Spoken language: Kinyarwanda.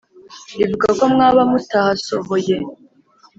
Ivuga ko mwaba mutahasohoye,